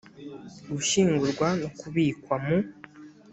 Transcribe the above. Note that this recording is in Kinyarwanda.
gushyingurwa no kubikwa mu